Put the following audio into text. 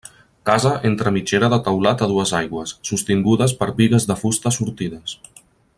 Casa entre mitgera de teulat a dues aigües, sostingudes per bigues de fusta sortides.